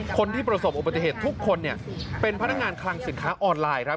คนที่ประสบอุบัติเหตุทุกคนเป็นพนักงานคลังสินค้าออนไลน์ครับ